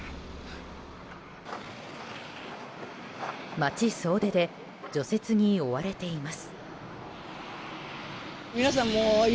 町総出で除雪に追われています。